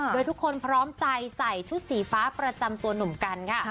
โดยทุกคนพร้อมใจใส่ชุดสีฟ้าประจำตัวหนุ่มกันค่ะ